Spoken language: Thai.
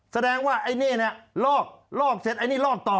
แสดงว่าไอ้นี่น่ะลอกลอกเสร็จไอ้นี่ลอกต่อ